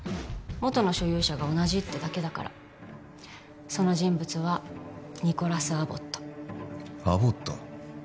元の所有者が同じってだけだからその人物はニコラス・アボットアボット？